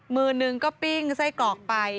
มือนึงก็ปิ้งไส้กรอกไป